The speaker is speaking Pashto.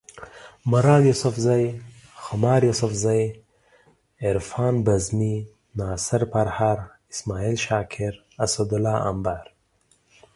مرام یوسفزے، خمار یوسفزے، عرفان بزمي، ناصر پرهر، اسماعیل شاکر، اسدالله امبر